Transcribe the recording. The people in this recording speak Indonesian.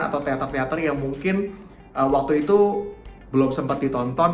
atau teater teater yang mungkin waktu itu belum sempat ditonton